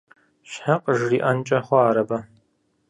Щхьэ къыжриӀэнкӀэ хъуа ар абы?